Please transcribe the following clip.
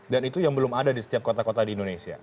dan itu yang belum ada di setiap kota kota di indonesia